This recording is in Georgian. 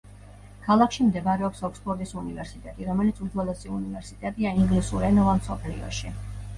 ქალაქში მდებარეობს ოქსფორდის უნივერსიტეტი, რომელიც უძველესი უნივერსიტეტია ინგლისურენოვან მსოფლიოში.